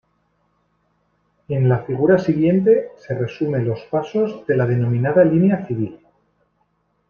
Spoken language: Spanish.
En la Figura siguiente se resume los pasos de la denominada Línea Civil.